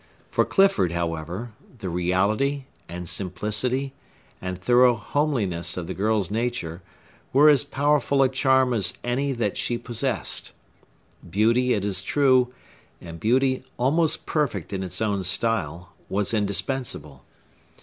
For Clifford, however, the reality, and simplicity, and thorough homeliness of the girl's nature were as powerful a charm as any that she possessed. Beauty, it is true, and beauty almost perfect in its own style, was indispensable.